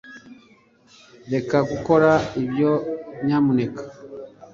reka gukora ibyo, nyamuneka